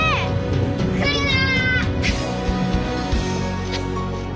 来るな！